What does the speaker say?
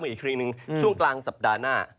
ของอีกคริ่งนึงช่วงกลางสัปดาห์หน้า